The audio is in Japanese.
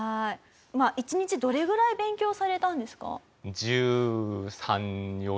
１日どれぐらい勉強されたんですか？